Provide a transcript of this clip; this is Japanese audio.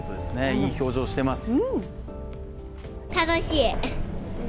いい表情しています。